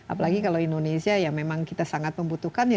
apalagi kalau indonesia ya memang kita sangat membutuhkan ya